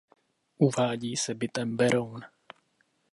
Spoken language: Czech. Uvádí se bytem Beroun.